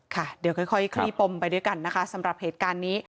ค่ะเดี๋ยวค่อยคลี่ปมไปด้วยกันนะคะสำหรับเหตุการณ์นี้